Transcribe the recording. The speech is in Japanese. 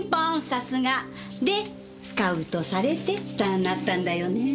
さすが！でスカウトされてスターになったんだよねぇ。